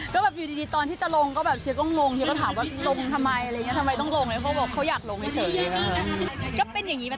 ก็แบบอยู่ดีตอนที่จะลงก็แบบเชียร์ก้งลงเขาถามว่าลงทำไมอะไรอย่างเงี้ย